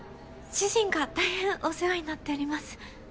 主人がたいへんお世話になっております。